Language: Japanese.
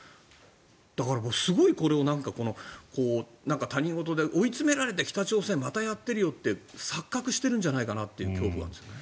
だから、これを他人事で、追い詰められて北朝鮮またやってるよって錯覚しているんじゃないかという恐怖があるんです。